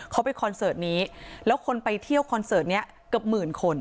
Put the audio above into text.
เขาไปคอนเสิร์ตนี้แล้วคนไปเที่ยวคอนเสิร์ตนี้เกือบหมื่นคน